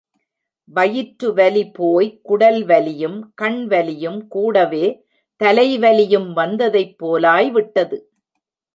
வயிற்றுவலி போய் குடல்வலியும் கண்வலியும் கூடவே தலைவலியும் வந்ததைப்போலாய் விட்டது.